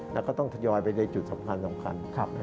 แล้วก็ต้องทยอยไปในจุดสำคัญ